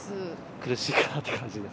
苦しいかなっていう感じです。